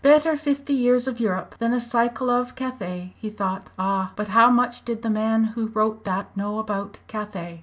"'Better fifty years of Europe than a cycle of Cathay,'" he thought. "Ah! but how much did the man who wrote that know about Cathay?"